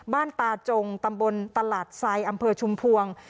บ้านตาจงตำบลตลาดไซด์อำเภอชุมพวง